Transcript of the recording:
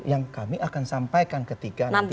yang kami akan sampaikan ketika nanti